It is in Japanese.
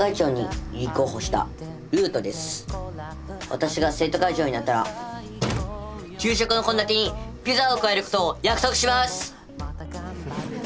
私が生徒会長になったら給食のこんだてにピザを加えることを約束します。